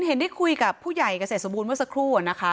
เห็นได้คุยกับผู้ใหญ่เกษตรสมบูรณ์เมื่อสักครู่อะนะคะ